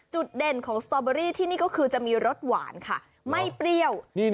เด่นของสตอเบอรี่ที่นี่ก็คือจะมีรสหวานค่ะไม่เปรี้ยว